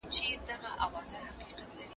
که طبیعت په غوسه شي بد دی.